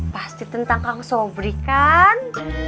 pasti tentang kang sobri kan